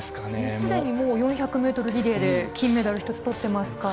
すでにもう４００メートルリレーで金メダル１つとってますから。